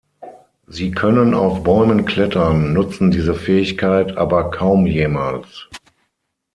Sie können auf Bäumen klettern, nutzen diese Fähigkeit aber kaum jemals.